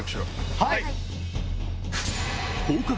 はい。